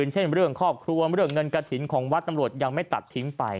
เช่นเรื่องครอบครัวเรื่องเงินกระถิ่นของวัดตำรวจยังไม่ตัดทิ้งไป